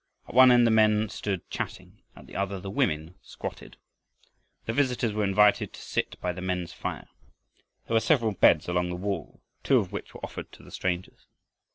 At one end the men stood chatting, at the other the women squatted. The visitors were invited to sit by the men's fire. There were several beds along the wall, two of which were offered to the strangers.